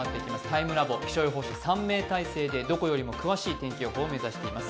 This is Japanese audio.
リアルラボ、気象予報士３名体制でどこよりも詳しい天気予報を目指しています。